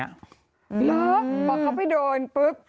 หรือบอกเขาไปโดนปุ๊บ